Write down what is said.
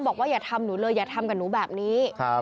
บอกว่าอย่าทำหนูเลยอย่าทำกับหนูแบบนี้ครับ